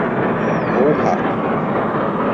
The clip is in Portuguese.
Porra!